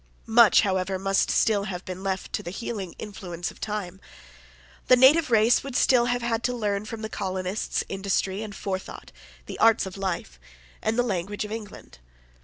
Much, however, must still have been left to the healing influence of time. The native race would still have had to learn from the colonists industry and forethought, the arts of life, and the language of England.